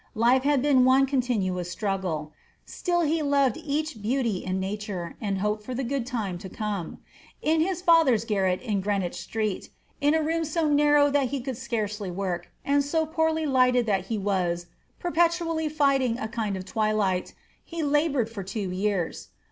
Life had been one continuous struggle. Still he loved each beauty in nature, and hoped for the good time to come. In his father's garret in Greenwich Street, in a room so narrow that he could scarcely work, and so poorly lighted that he was "perpetually fighting a kind of twilight," he labored for two years.